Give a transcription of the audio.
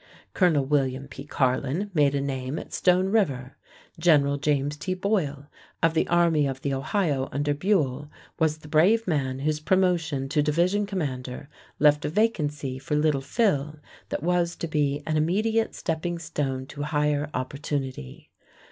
Colonel William P. Carlin made a name at Stone River. General James T. Boyle, of the Army of the Ohio under Buell, was the brave man whose promotion to division commander left a vacancy for "Little Phil", that was to be an immediate stepping stone to higher opportunity.